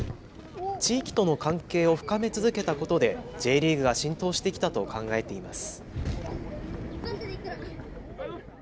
地域との関係を深め続けたことことでＪリーグが浸透してきたと考えています。